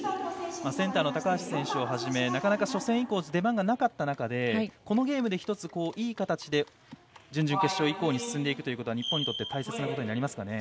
センター高橋選手をはじめなかなか初戦以降出番がなかった中でこのゲームで１つ、いい形で準々決勝以降に進んでいくことは日本にとって大切なことになりますかね。